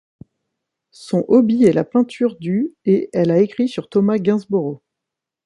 Son hobby est la peinture du et elle a écrit sur Thomas Gainsborough.